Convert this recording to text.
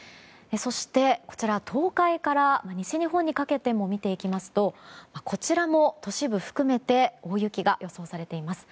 そして、こちら東海から西日本にかけても見ていきますとこちらも、都市部を含めて大雪が予想されています。